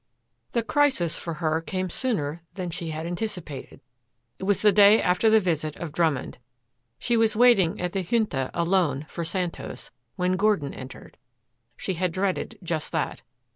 The crisis for her came sooner than she had anticipated. It was the day after the visit of Drummond. She was waiting at the Junta alone for Santos when Gordon entered. She had dreaded just that.